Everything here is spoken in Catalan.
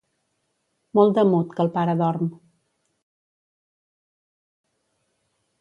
Molt de mut que el pare dorm.